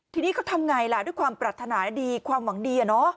ทีนี้เขาทำไงล่ะด้วยความปรารถนาดีความหวังดี